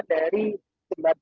dan seperti yang anda lihat